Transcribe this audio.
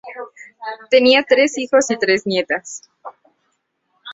Tenía tres hijos y tres nietas.